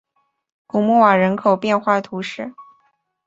古穆瓦人口变化图示